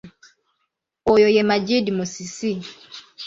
Oyo ye Magid Musisi.